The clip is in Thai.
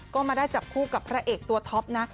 ก็มาได้จับคู่กับพระเอกตัวท็อปนะ